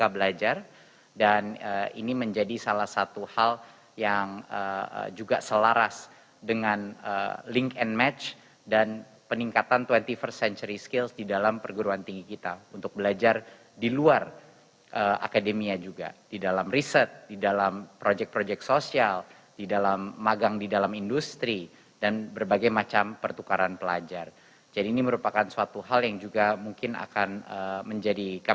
bagaimana cara anda menjaga keamanan dan keamanan indonesia